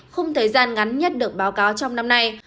khung thời gian ngắn nhất được báo cáo trong năm nay